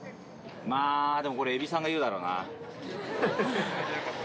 まあ、でも、これ、えびさんが言うだろうな。